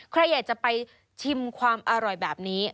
ใครอยากจะไปชิมความอร่อยแบบนี้